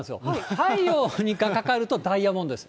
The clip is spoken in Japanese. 太陽にかかるとダイヤモンドです。